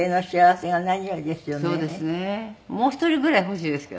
もう一人ぐらい欲しいですけどね。